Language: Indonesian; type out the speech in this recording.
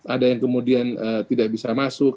ada yang kemudian tidak bisa masuk